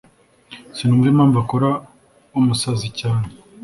Sinumva impamvu akora umusazi cyane.